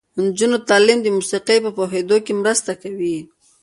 د نجونو تعلیم د موسیقۍ په پوهیدو کې مرسته کوي.